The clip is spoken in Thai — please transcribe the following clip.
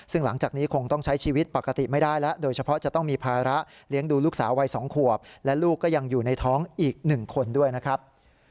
ซึ่งหลังจากนี้คงต้องใช้ชีวิตปกติไม่ได้แล้วโดยเฉพาะจะต้องมีภาระเลี้ยงดูลูกสาววัย๒ขวบและลูกก็ยังอยู่ในท้องอีก๑คนด้วยนะครับ